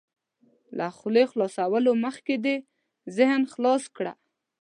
له خولې خلاصولو مخکې دې ذهن خلاص کړه.